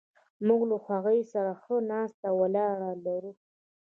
موږ له هغوی سره ښه ناسته ولاړه لرو.